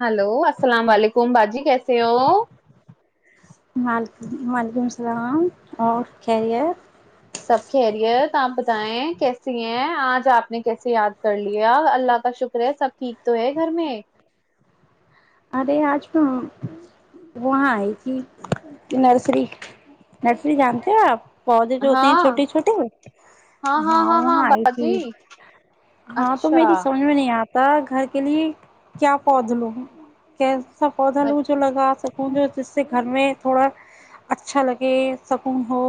Hello السلام علیکم باجی کیسے ہو عل وعلیکم السلام اور خریت ہے سب خریت ہے تو آپ بتائیں کیسی ہیں آج آپ نے کیسے یاد کر لیا اللہ کا شکر ہے سب ٹھیک تو ہے گھر میں ارے آج تو وہاں آئی تھی نرسری نرسری جانتے ہو آپ پودے جو ہوتے ہیں ہاں چھوٹے چھوٹے ہاں وہاں آئی تھی ہاں تو اچھا میری سمجھ میں نہیں آپ ت گھر کے لیے کیا پودا لوگ کہ [unintelligible] سا پودا وہ جو اچھا لگا سک سکوں جو جس سے گھر میں تھوڑا اچھا لگے سکون ہو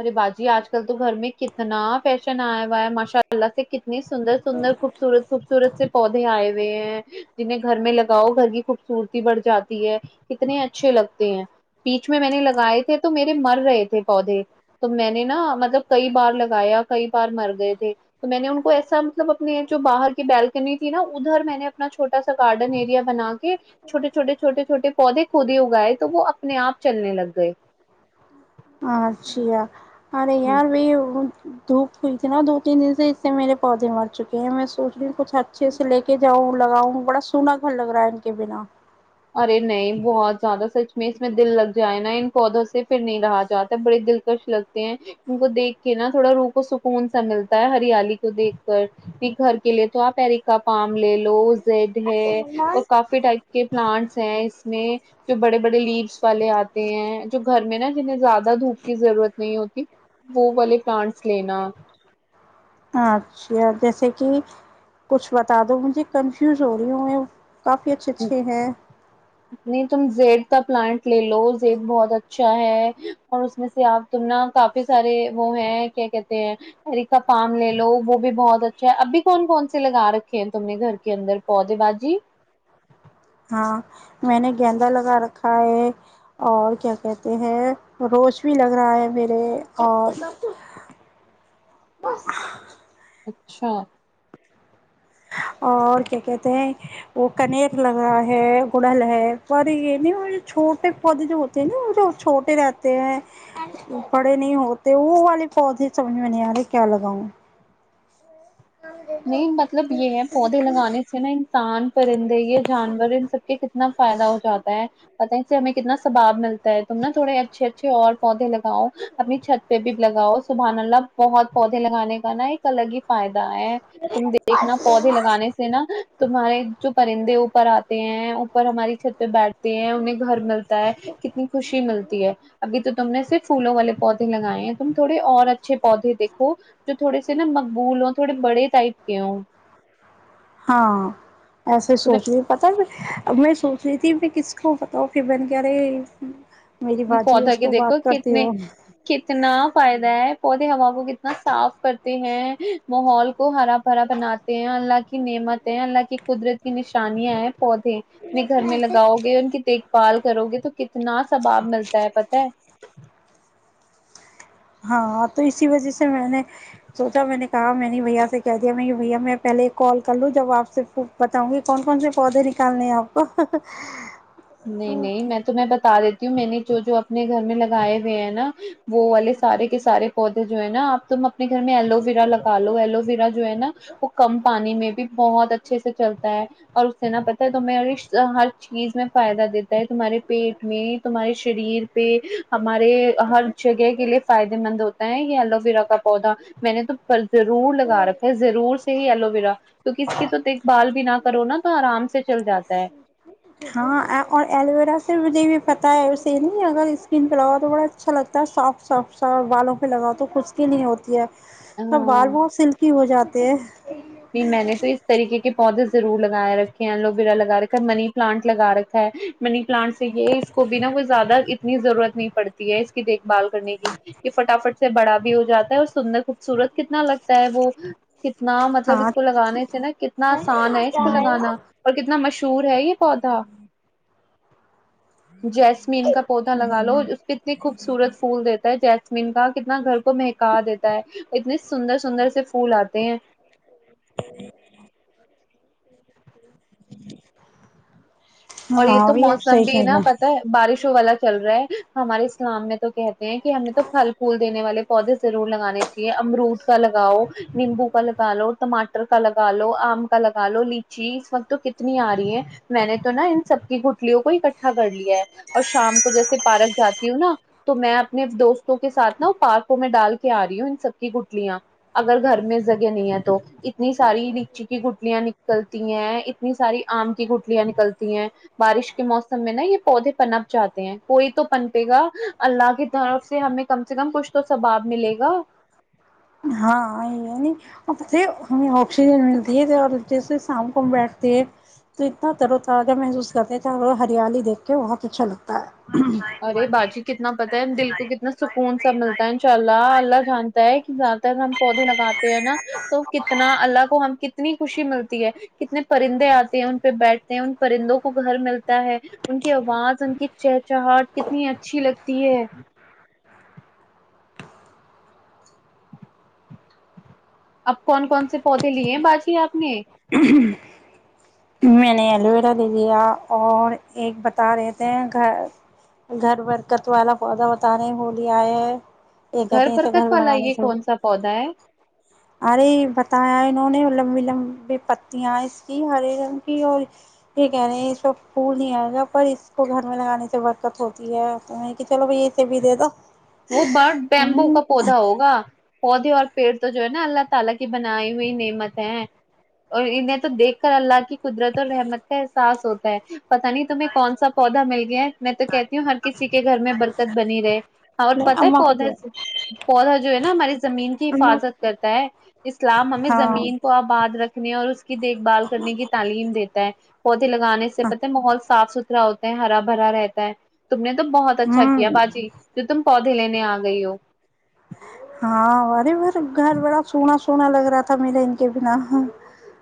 ارے باجی آج کل تو گھر میں کتنا فیشن آیا ہوا ہے ماشاء اللہ سے ک اتنی سندر سندر خوبصورت خوبصورت سے پودے آئے ہوئے ہیں جنہیں گھر میں لگاؤ گھر کی خوبصورتی بڑھ جاتی ہے کتنے اچھے لگتے ہیں بییچ میں میں نے لگائے تھے تو میرے مر رہے تھے پودے تو میں نے نا مطلب کئی بار لگایا کئی بار مر گئے تھے تو میں نے ان کو ایسا مطلب اپنے جو باہر کی بلکنی تھی نا ادھر میں نے اپنا چھوٹا سا گارڈن ایریا بنا کے چھوٹے چھوٹے چھوٹے چھوٹے پودے کوودے اگائے تو وہ اپنے آپ چلنے لگ گئے اچھا ارے ہ ار بھی دھوپ ہوئی تھی نا دو تین دن سے اس سے میرے پودے مر چکے ہیں میں سوچ رہی ہوں کچھ اچھے سے لے کے جاؤں لگاؤں بڑا سونا گھر لگ رہا ہے ان کے بنا ارے نہیں بہت زیادہ سچ میں اس میں دل لگ جائے نا ان پودوں سے پھر نہیں رہا جاتا بڑے دلکش لگتے ہیں ان کو دیکھ کے نا تھوڑا روح و سکون سا ملتا ہے ہریالی کو دیکھ کر کہ گھر کے لیے تو آپ پریکا پان لے لو زڈ ہے اور کافی ٹائپ کے س ہیں اس میں جو بڑے بڑے لیوس والے آتے ہیں جو گھر میں نا جنہیں زیادہ دھوپ کی ضرورت نہیں ہوتی وہ والے پلانٹس لینا اچھا جیسے کہ کچھ بتا دو مجھے کنفیوز ہو رہی ہوں میں کافی اچھے اچھے ہیں نہیں تم زیڈ پلانٹ لے لو ز بہت اچھا ہے اور اس میں سے آپ تم نہ کافی سارے وہ ہے کیا کہتے ہیںر کاا فارم لے لو وہ بھی بہت اچھا ہے ابھی کون کون سے لگا رکھے ہیں تم نے گھر کے اندر پودے بازی ہاں میں نے گیندا لگا رکھا ہے اور کیا کہتے ہیں روز بھی لگ رہا ہے میرے اور اچھا اور کیا کہتے ہیں وہ کنیر لگ رہا ہے گڑھل ہے پر یہ نہیں چھوٹے پودے جو ہوتے ہیں نا وہ جو چھوٹے رہتے ہیں بڑے نہیں ہوتے وہ والے پودے سمجھ میں نہیں آ رہے کیا لگاؤں نہیں مطلب یہ ہے پودے لگانے سے نا انسان پرندے یا جانور ان سب کے کتنا فائدہ ہو جاتا ہے پت ہے اس سے ہمیں کتنا سثباب ملتا ہے تم نا تھوڑے اچھے اچھے اور پودے لگاؤ اپنی چھت پہ بھی لگاؤ سبحان اللہ بہت پودے لگانے کا نا ایک الگ ہی فائدہ ہے ت دیکھنا پودے لگانے سے نا تمہارے جو پرندے اوپر آتے ہیں اوپر ہماری چھت پہ بیٹھتے ہیں انہیں گھر ملتا ہے کتنی خوشی ملتی ہے ابھی تو تم نے صرف پھولوں والے پودے لگائے ہیں تم تھوڑے اور اچھے پودے دیکھو جو تھوڑے سے نا مقبول ہو تھوڑے بڑے ست کیوں ہاں ایسے سوچنے پتا میں سو س میں کس کو بتاؤں پ بن کیاے پودا کے دیکھو کتنے کتنا فائد ہے [unintelligible] پودے ہوا وہ کتنا صاف کرتے ہیں ماحول کو ہرا بھرا بناتے ہیں اللہ نعمت ہے اللہ کی قدرت کی نشانیاں ہیں پودے اپ گھر میں لگاؤ گے ان کی دیکھ بھال کرو گے تو کتنا سثباب چلتا ہے پت ہے ہاں تو اسی وجہ سے میں نے سوچا میں نے کہاں میں نے بھیا سے کہہ دیا میں بھیا میں پہلے کال کر لوں جب آپ سے بتاؤں گی کون کون سے پودے نکالنے ہیں آپ کو نہیں نہیں میں تمہیں پتا بتا دیتی ہوں میں نے جو جو اپنے گھر میں لگائے ہوئے ہیں نا وہ والے سارے کے سارے پودے جو ہے نا آپ تم اپنے گھر میں ایلویرا لگا لو ایلو ویرا جو ہے نا وہ کم پانی میں بھی بہت اچھے سے چلتا ہے اور اس سے نہ پت ہے توم ہر چیز میں فائدہ دیتا ہے تمہارے پیٹ میں تہارے شریر پہ ہمارے ہر جگہ کے لیے فائدے مند ہوتا ہے ایو ویرا کا پودا میں نے تو ضرور لگا رکھا ہے ضرور سے ہی ایلوویرا کیکہ اس کی تو دیکھ بھال بھی نہ کرو نا تو آرام سے چل جاتا ہے ہاں اور ایلوویرا سے مجھے بھی پتہ ہے اسے نہیں اگر اسکن پہ لگاؤ تو بڑا اچھا لگتا ہے سافٹ سافٹ سا بوں پہ لگاؤ تو خچھ کی نہیں ہوتی ہے سب ب ہاں بہت سلکی ہو جاتی کہ نہیں میں نے تو اس طریقے کے پودے ضرور لگاائے رکھے ہیں الوویرا لگا رکھا ہے منی پلانٹ لگا رکھا ہے منی پلانٹ سے یہ اس کو بھی نا کوئی زیادہ اتنی ضرورت نہیں پڑتی ہے دیکھ بھال کرنے کی یہ فٹافٹ سے بڑا بھی ہو جاتا ہے اور سندر خوبصورت کتنا لگتا ہے وہ کتنا مطب مطب ہاں اس کو لگانے سے نا کتنا آسان ہے اس کو لگانا اور کتنا مشہور ہے یہ پودا جیسمین کا پودا لگا لو اس پہ کتنے خوبصورت پھول دیتا ہے جیسمین کا کتنا گھر کو مہکا دیتا ہے اتنے سندر سندر سے پھول آتے ہیں اور یہ ہاں تو بھی اب موسم صحیح بھی کہہ نا رہے پتہ ہے بارش و والا چل رہا ہے ہمارے اسلام میں تو کہتے ہیں کہ ہم نے تو پھل پھول دینے والے پودے ضرور لگانے امرود کا لگاؤ نیمبو کا لگا لو ٹماٹر کا لگا لو آم کا لگا لو لیچی اس وقت تو کتنی آ رہی ہے میں نے تو نا کٹلیوں کو اکٹھا کر لیا ہے اور شام کو جیسے پارک جاتی ہوں نا تو میں اپنے دوستوں کے ساتھ نا پارک کو میں ڈال کے آ رہی ہوں سب کی گٹلیاں اگر گھر میں جگہ نہیں ہے تو اتنی ساری لچی کی گٹلیاں نکلتی ہیں اتنی ساری آم کی گٹلیاں نکلتی ہیں بارش کے موسم میں نا یہ پودے پنپ جاہتے ہیں کوئی تو پن پے گا اللہ کی طرف سے ہمیں کم سے کم کچھ تو ثباب ملے گا ہاں یہ ہے نہیں ہمیں آکسیجن ملتی ہے اور جیسے شام کو ہم بیٹھتے ہیں تو اتنا تر و ترازہ محسوس کرتے تھ ہریالی دیکھ کے بہت اچھا لگتا ہے ارے باجی کتنا پتا ہے دل تو کتنا سکون سب ملتا ہے ان شاء اللہ اللہ جانتا ہے کہ زیادہ تر ہم پودے لگاتے ہیں نا تو کتنا اللہ کو ہم ک کتنی خوشی ملتی ہے کتنے پرندے آتے ہیں ان پہ بیٹھتے ہیں ان پرندوں کو گھر ملتا ہے ان کی آواز چہچہاٹ کتنی اچھی لگتی ہے [unintelligible] اپ کون کون سے پودے لیے ہیں باجی آپ نے میں نے ایلو ویرا لے لیا اور ایک بتا رہے تھے گھر گھر برکت والا پودا بتا رہے وہ لیا ہے یہ کہتے ہیںسے گھر برکت ب والا لانے یہ تھ کون سا پودا ہے ارے ب ت آئے نو نے ولم ولمب پتیاں اس کی ہرے رنگ کی اور یہ کہہ رہے ہیںب پھول نہیں آئے گا پر اس کو گھر میں لگانے سے برکت ہوتی ہے چلو بھ یہے بھی دے دو وہ برڈ بیمبو کا پودا ہوگا پودے اور [unintelligible] قدرت اور رحمت کا احساس ہوتا [unintelligible] پتا نہیں تمہیں کون سا پودا مل گیا میں تو کہتی ہوں ہر کسی کے گھر میں برکت بنی رہے پتا ہے اماں کو پودے دیا سے پودا جو ہے نا ہماری زمین کی اماں حفاظت کرتا ہے اسلام ہمیں ہاں زمین کو آباد رکھنے اور اس کی دیکھ بھال کرنے کی تعلیم دیتا ہے پودے لگانے سے ہاں پتا ہے ماحول صاف ستھرا ہوتا ہے ہرا بھرا رہتا ہے تم نے تو بہت اچھا کیا ہوں باجی تم پودے لینے آ گئی ہو ہاں ارے بر [inaudible] گھر بڑا سونا سونا لگ رہا تھا میرے ان کے بنا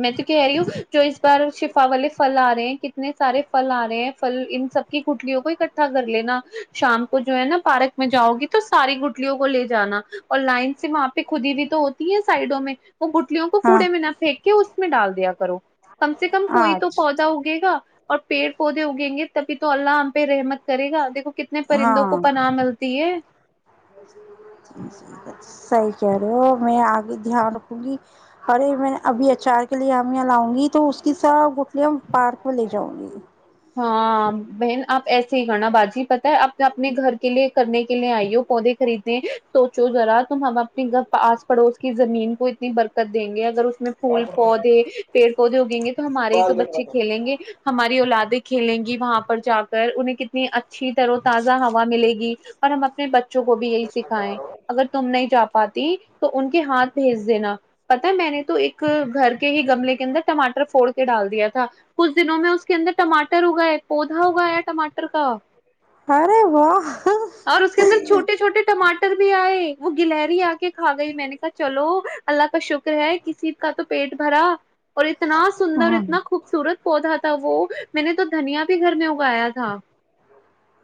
میں تو کہہ رہی ہوں جو اس بار شفا والے پھل آ رہے ہیں کتنے سارے پھل آ رہے ہیں پھل ان سب کی گٹلیوں کو اکٹھا کر لینا شام کو جو ہے نا پارک میں جاؤ گی تو ساری گٹلیوں کو لے جانا اور لائن سے وہاں پہ خودی بھی تو ہوتی ہے سائڈوں میں وہ گ بٹلیوں ہاں کوڑے میں نہ پیکک اس میں ڈال دیا کرو کم سے کم کوئی تو آج پودا اگے گا اور پیڑ پودے اگیں گے تبھی تو اللہ ہم پہ رحمت کرے گا دیکو کتنا اپنے پرندوں کو ہاں پناہ ملتی ہے صحیح کہہ رہے ہو میں آگے دھیان رکھوں گی ارے میں ابھی اچار کے لیےامیاں لاؤں گی تو اس کی سا گٹلیاں پارک میں لے جاؤں گی ہاں بہن آپ ایسے ہی کرنا باجی پت ہے آپ اپنے گھر کے لیے کرنے کے لیے آئی ہو پودے خریدنے سوچو ذرا تو ہم اپنی گ آس پڑوس کی زمین کو اتنی بر دیں گے اگر اس میں پھول پودے پیڑ پودے ہوگیں گے تو ہمارے ہی تو بچے کھیلیں گے ہماری ا لاتد [inaudible] کھیلیں گی وہاں پر جا کر انہیں کتنی اچ اچھی طرح تازہ ہوا ملے گی اور ہم اپنے بے بچوں کو بھی یہی سکھائے اگر تم نہیں جا پاتی تو ان کے ہاتھ بھیج دینا پتا میں نے تو ایک گھر کے ہی گملے کے اندر ٹماٹر پھوڑ کے ڈال دیا تھا کچھ دنوں میں اس کے اندر ٹماٹر ہوگا ہے پودا ہوگا یا ٹماٹر کا ارے واہ اور اس کے اندر چھوٹے چوٹے چھوٹے ٹاٹر بھی آئے وہ گلری آ کے کھا گئی میں نے کہا چلو اللہ کا شکر ہے کسی کا تو پیٹ بھرا اور اتنا سندر ہاں اتنا خوبصورت پودا تھا وہ میں نے تو دھنیا بھی گھر میں اگایا تھا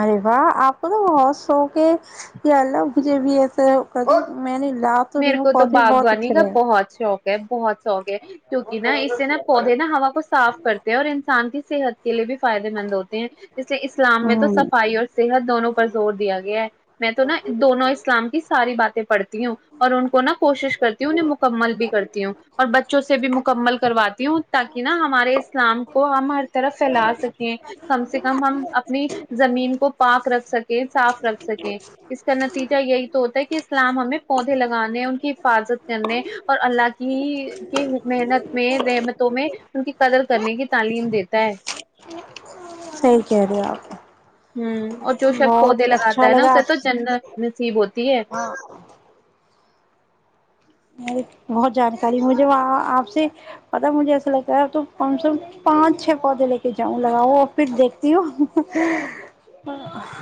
ارے واہ آپ کو تو بہت شوق ہے کہ اللہ مجھے بھی ایسا ا میں نے [inaudible] رہی میرے ہوں کو تو پودے بہت باغبانی اچھے کا رہے بہت شوق ہے بہت شوق ہے کیونکہ نا اس سے نا پودے نا ہوا کو صاف کرتے ہیں اور انسان کی صحت کے لیے بھی فائدے مند ہوتے ہیں اس لیے اسلام میں تو ہوں صفائی اور صحت دونوں پر زور دیا گیا ہے میں تو نا دونوں اسلام کی ساری بات پڑھتی ہوں اور ان کو نا کوشش کرتی ہوں انہیں مکمل بھی کرتی ہوں اور بچوں سے بھی مکمل کرواتی ہوں تاکہ نا ہمارے اسلام کو ہم ہر طرف پھیلا سکیں کم سے کم ہم اپنی زمین کو پاک رکھ سکیں صاف رکھ سکیں اس کا نتیجہ یہی تو ہو کہ اسلام ہمیں پہنچ [unintelligible] لگانے ان کی حفاظت کرنے اور اللہ کی کے محنت میں رحمتوں میں ان کی قدر کرنے کی تعلیم دیتا ہے خر آ ہ اور جو شخص پودے لگاتا ہے نا لگا اسے تو آپ سے۔ جن نصیب ہوتی ہے ہاں بہت جانکاری مجھے وہ آپ سے پتا مجھے ایسا لگتا ہے ا تو کم سے کم پانچ چھ پودے لے کے جاؤں لگاؤ اور پھر دیکھتی ہو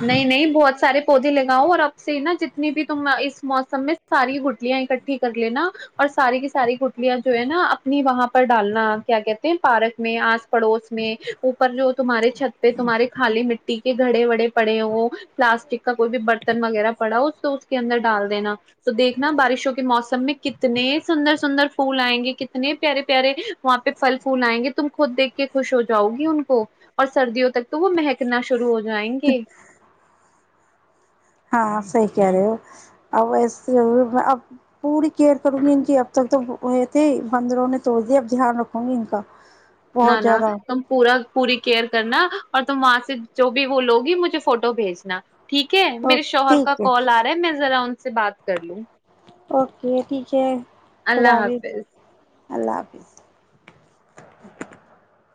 نہیں نہیں بہت سارے پودے لگاؤ اور اب سے نا جتنی بھی تم اس موسم میں ساری گٹلیاں اکٹھی کر لینا اور ساری کی ساری گٹلیاں جو ہے نا اپنی وہاں پر ڈالنا کیا کہتے ہیں پارک میں آس پڑوس میں اوپر جو تمہارے چھتے تمہاریے خالی مٹی ٹھیک ہے دھے وڑے پڑ پلاسٹک کا کوئی بھی برتن وغیرہ پڑا اس تو اس کے اندر ڈال دینا تو دیکھنا بارشوں کے موسم میں کتنے سندر سندر پھول آئیں گے کتنے پیارے پیارے وہاں پہ پھل پھول آئیں گے تم خود دیکھ کے خوش ہو جاؤ گی ان کو اور سردیوں تک تو وہ مہکنا شرو ہو جائیں گے ہاں صحیح کہہ رہے ہو اب وسے اب پوری کیئر کروں گی ان کی اب تک تو یہ تھے بندروں نے توڑ دیا اب دھیان رکھوں گی ان کا نہ بہت نہ زیادہ تم پورا پوری کیئر کرنا اور تم وہاں سے جو بھی وہ لوگی مجھے فوٹو بھیجنا ٹھیک ہے میرے شوہر کا کال آ رہا ہے میں ذرا ان سے بات کر لوں اوکے ٹھیک ہے اللہ حافظ اللہ حافظ